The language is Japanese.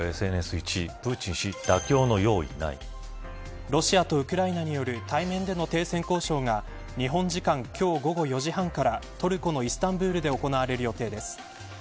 続いてはＳＮＳの１位プーチン氏、妥協の用意ないロシアとウクライナによる対面での停戦交渉が日本時間、今日午後４時半からトルコのイスタンブールで行われる予定です。